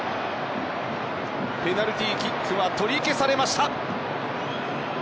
ペナルティーキックは取り消されました。